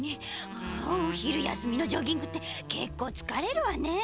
ああおひるやすみのジョギングってけっこうつかれるわねえ。